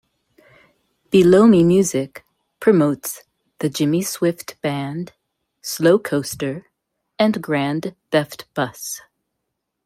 BelowMeMusic promotes the Jimmy Swift Band, Slowcoaster, and Grand Theft Bus.